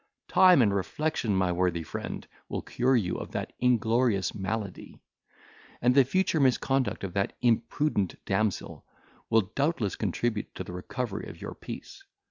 —Time and reflection, my worthy friend, will cure you of that inglorious malady. And the future misconduct of that imprudent damsel will, doubtless, contribute to the recovery of your peace.